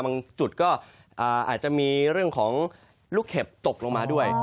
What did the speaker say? บางจุดก็อาจจะมีเรื่องของลูกเห็บตกลงมาด้วย